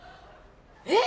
えっ？